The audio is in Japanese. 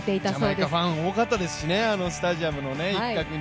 ジャマイカファン多かったですしね、スタジアムの一角に。